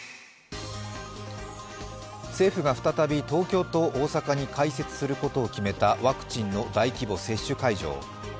政府が再び東京と大阪に開設することを決めたワクチンの大規模接種会場。